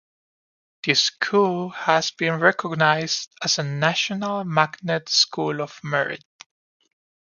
The school has been recognized as a National Magnet School of Merit.